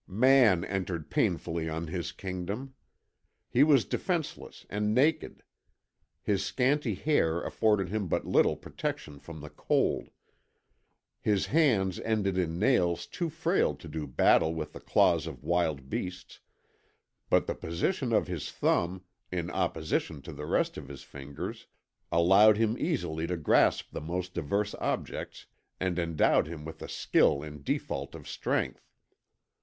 "Man entered painfully on his kingdom. He was defenceless and naked. His scanty hair afforded him but little protection from the cold. His hands ended in nails too frail to do battle with the claws of wild beasts, but the position of his thumb, in opposition to the rest of his fingers, allowed him easily to grasp the most diverse objects and endowed him with skill in default of strength.